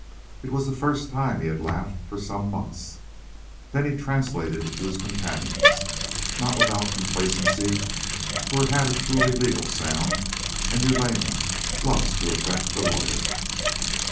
It was the first time that he had laughed for some months. Then he translated it to his companions, not without complaisancy, for it had a truly legal sound, and your layman loves to affect the lawyer.